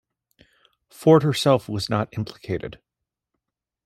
Ford herself was not implicated.